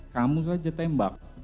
kamu saja tembak